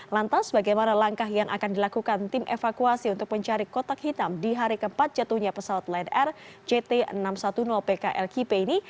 lantas bagaimana langkah yang akan dilakukan tim evakuasi untuk mencari kotak hitam di hari keempat jatuhnya pesawat lion air jt enam ratus sepuluh pklkp ini